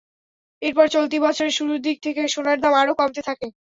এরপর চলতি বছরের শুরুর দিক থেকে সোনার দাম আরও কমতে থাকে।